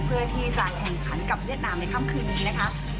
เพื่อที่จะแข่งขันกับเวียดนามในค่ำคืนนี้นะคะ